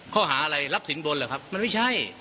ข้อหาอะไรรับสินบนเหรอครับมันไม่ใช่